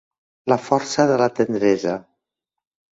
La força de la tendresa.